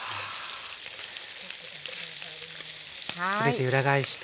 全て裏返して。